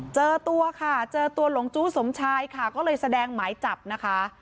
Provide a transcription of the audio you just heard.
เจอตัวค่ะเจอตัวหลงจู้สมชายค่ะก็เลยแสดงหมายจับนะคะ